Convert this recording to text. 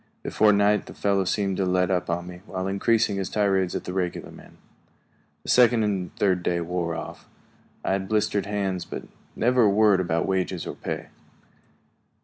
Before night the fellow seemed to let up on me, while increasing his tirades at the regular men. The second and third day wore off. I had blistered hands, but never a word about wages or pay.